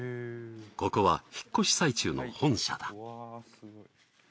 ここは引っ越し最中の本社だ。